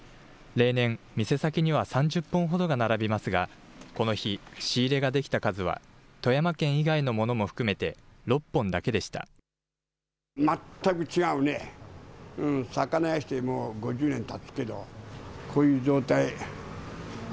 例年、店先には３０本ほどが並びますが、この日、仕入れができた数は富山県以外のものも含めて６本だけでした。